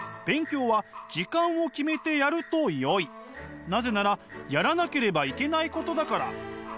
勉強はなぜならやらなければいけないことだから。